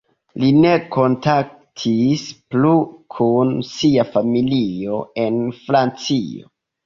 Li ne kontaktis plu kun sia familio en Francio.